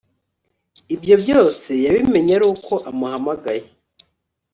ibyo byose yabimenye aruko amuhamagaye